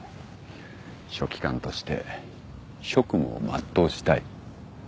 書記官として職務を全うしたい。